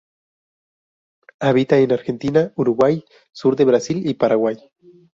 Habita en Argentina, Uruguay, sur de Brasil y Paraguay.